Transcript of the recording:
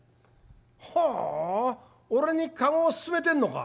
「ほう俺に駕籠を勧めてんのか。